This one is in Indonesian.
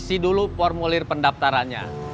isi dulu formulir pendaftarannya